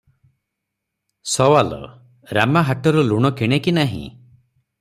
ସୱାଲ - ରାମା ହାଟରୁ ଲୁଣ କିଣେ କି ନାହିଁ?